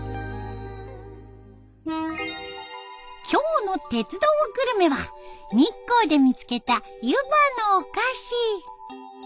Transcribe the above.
今日の「鉄道グルメ」は日光で見つけた湯波のお菓子。